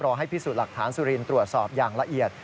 ให้พิสูจน์หลักฐานสุรินทร์ตรวจสอบอย่างละเอียด